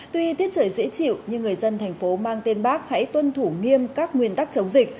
tuy tiết trời dễ chịu nhưng người dân thành phố mang tên bác hãy tuân thủ nghiêm các nguyên tắc chống dịch